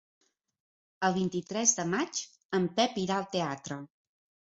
El vint-i-tres de maig en Pep irà al teatre.